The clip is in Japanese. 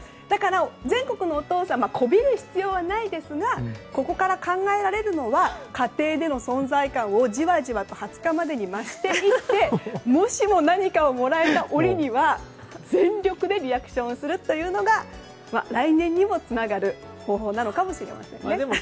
全国のお父さんこびる必要はないですがここから考えられるのは家庭での存在感をじわじわと２０日までに増していってもしも何かをもらえたら折りには全力でリアクションするというのが来年にもつながる方法なのかもしれませんね。